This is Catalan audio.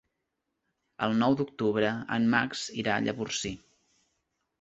El nou d'octubre en Max irà a Llavorsí.